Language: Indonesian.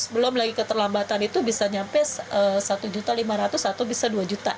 belum lagi keterlambatan itu bisa nyampe satu lima ratus atau bisa dua juta